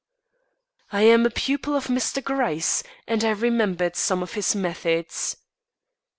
"I am a pupil of Mr. Gryce, and I remembered some of his methods.